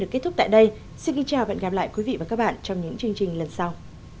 kết thúc tại đây xin kính chào và hẹn gặp lại quý vị và các bạn trong những chương trình lần sau